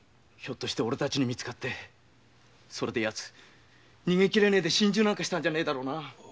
おれたちに見つかってそれでやつ逃げきれねえで心中したんじゃねえんだろうな。